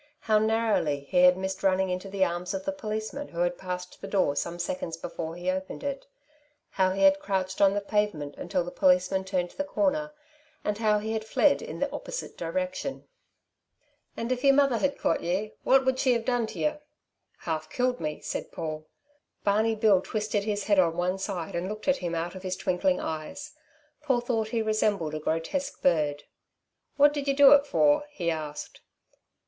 How narrowly he had missed running into the arms of the policeman who had passed the door some seconds before he opened it. How he had crouched on the pavement until the policeman turned the corner, and how he had fled in the opposite direction. "And if yer mother had caught ye, what would she have done to yer?" "Half killed me," said Paul. Barney Bill twisted his head on one side and looked at him out of his twinkling eyes. Paul thought he resembled a grotesque bird. "Wot did yer do it for?" he asked.